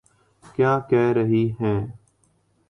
کیا کہہ رہی ہیں۔